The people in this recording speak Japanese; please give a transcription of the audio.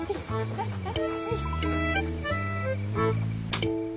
はいはい。